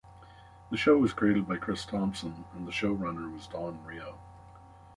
The show was created by Chris Thompson and the show runner was Don Reo.